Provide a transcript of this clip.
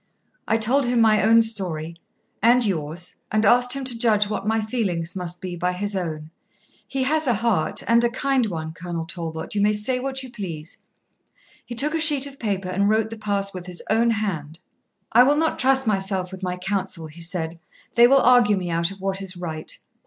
I told him my own story and yours; and asked him to judge what my feelings must be by his own. He has a heart, and a kind one, Colonel Talbot, you may say what you please. He took a sheet of paper and wrote the pass with his own hand. "I will not trust myself with my council," he said; "they will argue me out of what is right.